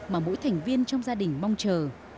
mà mỗi thành viên trong gia đình mong chờ